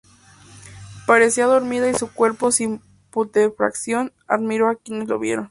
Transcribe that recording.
Parecía dormida y su cuerpo sin putrefacción admiró a quienes lo vieron.